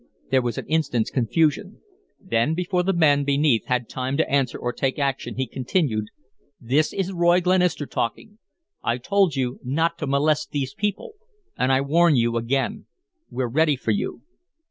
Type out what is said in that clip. There was an instant's confusion; then, before the men beneath had time to answer or take action, he continued: "This is Roy Glenister talking. I told you not to molest these people and I warn you again. We're ready for you."